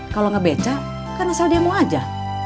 kalau ngebeca kan asal dia mau aja